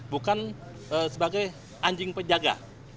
bukan sebagai anjing penjaga